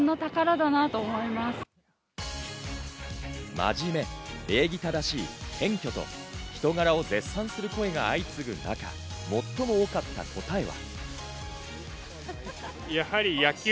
真面目、礼儀正しい、謙虚と、人柄を絶賛する声が相次ぐ中、最も多かった答えが。